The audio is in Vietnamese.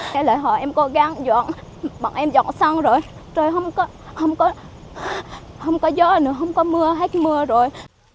cái lời hỏi em cố gắng dọn bọn em dọn xong rồi rồi không có gió nữa không có mưa hết mưa rồi